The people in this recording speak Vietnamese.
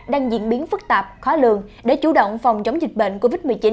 đang diễn biến phức tạp khó lường để chủ động phòng chống dịch bệnh covid một mươi chín